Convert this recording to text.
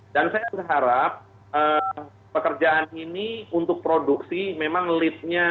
dan saya harap pekerjaan ini untuk produksi memang lead nya